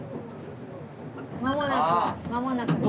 間もなく間もなくです。